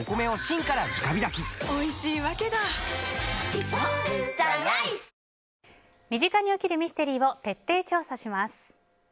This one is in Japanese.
うるおいタイプも身近に起きるミステリーを徹底調査します。